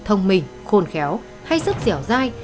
thông minh khôn khéo hay rất dẻo dai